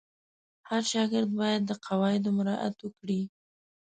هر شاګرد باید د قواعدو مراعت وکړي.